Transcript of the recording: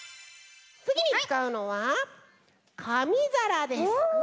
つぎにつかうのはかみざらです。